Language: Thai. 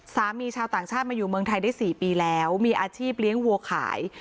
ชาวต่างชาติมาอยู่เมืองไทยได้๔ปีแล้วมีอาชีพเลี้ยงวัวขาย